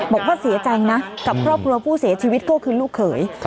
บอกว่าเสียใจนะกับครอบครัวผู้เสียชีวิตก็คือลูกเขย